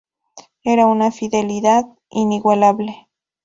Era una fidelidad inigualable.